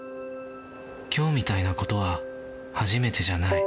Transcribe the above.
きょうみたいなことは初めてじゃない。